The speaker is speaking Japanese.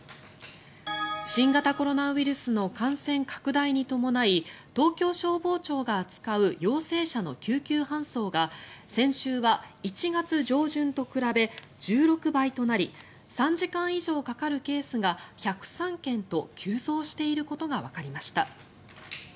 新型コロナウイルスの感染拡大に伴い東京消防庁が扱う陽性者の救急搬送が先週は１月上旬と比べ１６倍となり３時間以上かかるケースが１０３件と急増していることがわかりました。